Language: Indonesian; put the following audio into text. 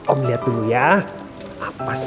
om lihat dulu ya